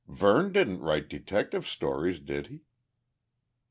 "Verne didn't write detective stories, did he?"